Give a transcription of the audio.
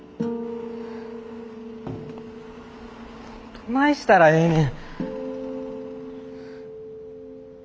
どないしたらええねん。